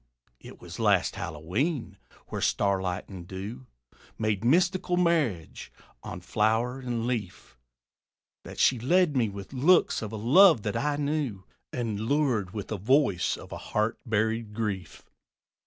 It was last Hallowe'en where starlight and dew Made mystical marriage on flower and leaf, That she led me with looks of a love that I knew, And lured with the voice of a heart buried grief.